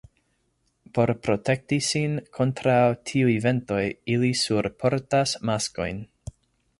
Por protekti sin kontraŭ tiuj ventoj, ili surportas maskojn.